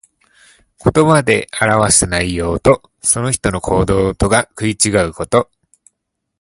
言葉で表した内容と、その人の行動とが食い違うこと。